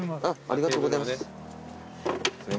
ありがとうございます。